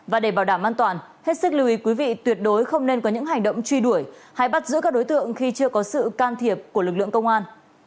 và để bảo đảm an toàn hết sức lưu ý quý vị tuyệt đối không nên có những hành động truy đuổi hay bắt giữ các đối tượng khi chưa có sự can thiệp của lực lượng công an